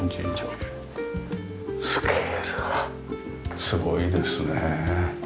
スケールがすごいですね。